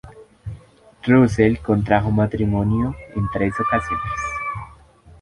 Russell contrajo matrimonio en tres ocasiones.